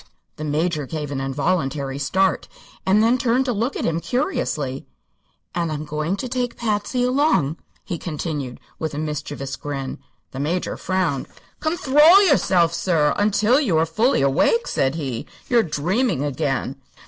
The Major gave an involuntary start, and then turned to look at him curiously. "And I'm going to take Patsy along," he continued, with a mischievous grin. The Major frowned. "Conthrol yourself, sir, until you are fully awake," said he. "You're dreaming again."